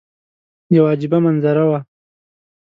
یوه عجیبه منظره وه.